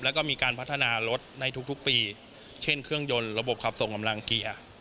แล้วก็มีการพัฒนารถในทุกปีเช่นเครื่องยนต์ระบบขับส่งกำลังเกียร์